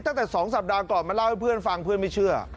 ตั้งแต่๒สัปดาห์ก่อนมาเล่าให้เพื่อนฟังเพื่อนไม่เชื่อ